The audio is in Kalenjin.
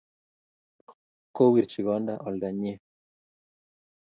Kowirchi konda olda nyie